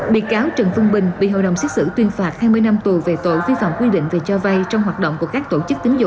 bị cáo trần phương bình bị hội đồng xét xử tuyên phạt hai mươi năm tù về tội vi phạm quy định về cho vay trong hoạt động của các tổ chức tín dụng